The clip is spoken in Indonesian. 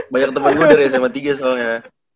banyak temen gua dari sma tiga soalnya